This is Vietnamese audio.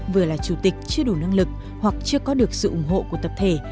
vừa là chủ tịch chưa đủ năng lực hoặc chưa có được sự ủng hộ của tập thể